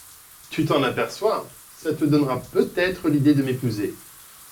Tu t’en aperçois !… ça te donnera peut-être l’idée de m’épouser.